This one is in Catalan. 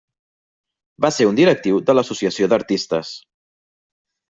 Va ser un directiu de l'Associació d'Artistes.